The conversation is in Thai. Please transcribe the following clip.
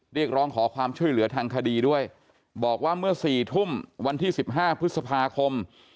เรียกร้องขอความช่วยเหลือทางคดีด้วยบอกว่าเมื่อ๔ทุ่มวันที่๑๕พฤษภาคม